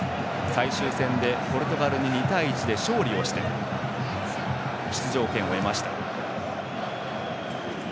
最終戦でポルトガルに２対１で勝利をして出場権を得ました。